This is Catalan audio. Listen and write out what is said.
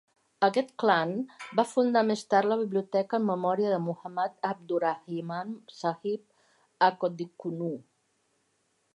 Aquest clan va fundar més tard la Biblioteca en Memòria de Muhammad Abdurahiman Sahib a Kodikkunnu.